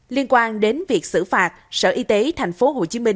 liên quan đến việc xử phạt sở y tế tp hcm